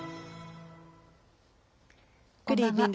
こんばんは。